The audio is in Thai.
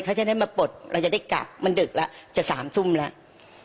เขาจะได้มาปลดเราจะได้กลับมันดึกแล้วจะ๓ทุ่มแล้ว